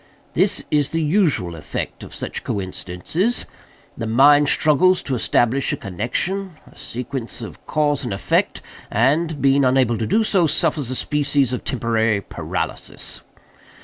This is the usual effect of such coincidences. The mind struggles to establish a connexion—a sequence of cause and effect—and, being unable to do so, suffers a species of temporary paralysis.